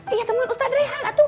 iya temuin ustadz rehan